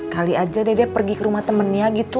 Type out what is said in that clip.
kali aja dede pergi ke rumah temennya gitu